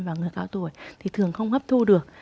và người cao tuổi thì thường không hấp thu được